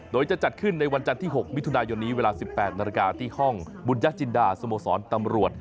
โดยจะจัดขึ้นในวันจันทร์ที่๖มิถุนายนนี้เวลา๑๘นาฬิกาที่ห้องบุญญจินดาสโมสรตำรวจ